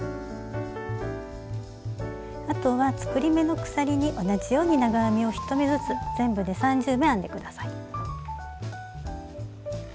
あとは作り目の鎖に同じように長編みを１目ずつ全部で３０目編んで下さい。